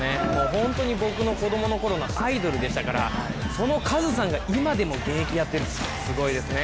本当に僕の子供のころのアイドルでしたからそのカズさんが、今でも現役やってるってすごいですね。